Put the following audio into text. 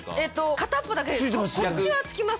片っぽだけです